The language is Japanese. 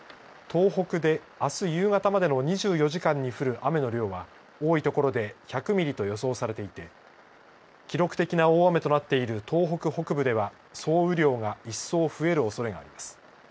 東北であす夕方までの２４時間に降る雨の量は多い所で１００ミリと予想されていて記録的な大雨となっている東北北部では総雨量が一層、増えるおそれがあります。